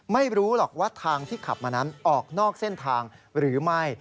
ไม่รู้หรอกว่าทางที่ขับมานั้นออกนอกเส้นทางหรือไม่